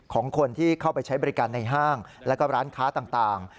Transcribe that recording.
ของคนที่เข้าไปใช้บริการในห้างแล้วก็ร้านค้าต่าง